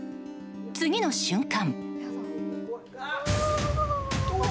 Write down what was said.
次の瞬間。